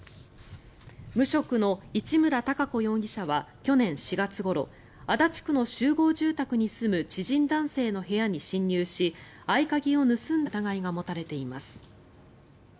無職の市村貴子容疑者は去年４月ごろ足立区の集合住宅に住む知人男性の部屋に侵入し合鍵を盗んだ疑いが持たれています。